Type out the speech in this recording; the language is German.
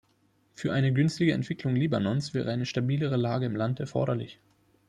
Für eine günstige Entwicklung Libanons wäre eine stabilere Lage im Land erforderlich.